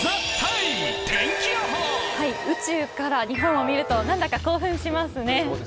宇宙から日本を見ると何だか興奮しますね。